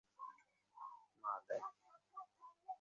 হ্যা, অবশেষে বাড়ি আসলাম!